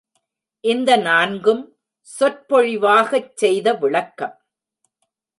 இந்த நான்கும் சொற்பொழிவாகச் செய்த விளக்கம்.